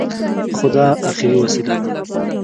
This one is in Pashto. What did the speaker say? خو دا اخري وسيله ده.